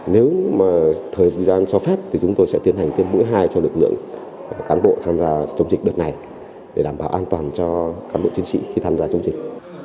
nếu mà thời gian cho phép thì chúng tôi sẽ tiến hành tiêm mũi hai cho lực lượng cán bộ tham gia chống dịch đợt này để đảm bảo an toàn cho cán bộ chiến sĩ khi tham gia chống dịch